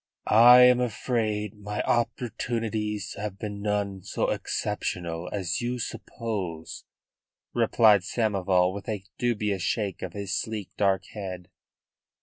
"I am afraid my opportunities have been none so exceptional as you suppose," replied Samoval, with a dubious shake of his sleek, dark head.